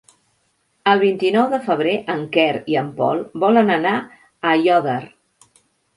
El vint-i-nou de febrer en Quer i en Pol volen anar a Aiòder.